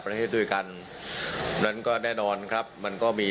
ว่าที่ท้ายว่าไม่อยากให้คนไทย